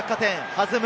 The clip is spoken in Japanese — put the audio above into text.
弾む。